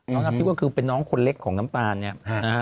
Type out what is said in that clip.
น้ำทิพย์ก็คือเป็นน้องคนเล็กของน้ำตาลเนี่ย